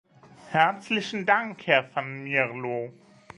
Herzlichen Dank, Herr Van Mierlo.